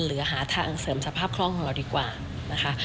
หรือหาทางเสริมสภาพของเราดีกว่านะคะ